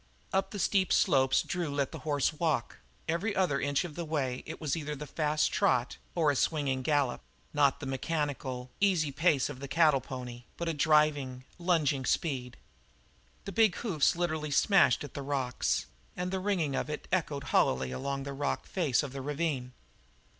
Up the steep slopes Drew let the horse walk; every other inch of the way it was either the fast trot or a swinging gallop, not the mechanical, easy pace of the cattle pony, but a driving, lunging speed. The big hoofs literally smashed at the rocks, and the ringing of it echoed hollowly along the rock face of the ravine.